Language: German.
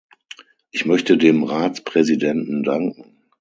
Ich möchte dem Ratspräsidenten danken.